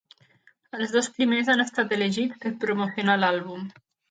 Els dos primers han estat elegits per promocionar l'àlbum.